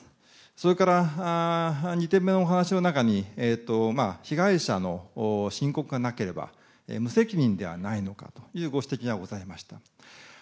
それから、２点目のお話の中に、被害者の申告がなければ、無責任ではないのかというご指摘がございました。